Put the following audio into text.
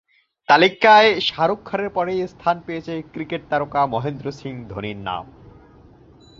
তালিকায় শাহরুখের পরেই স্থান পেয়েছে ক্রিকেট তারকা মহেন্দ্র সিং ধোনির নাম।